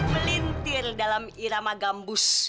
melintir dalam irama gambus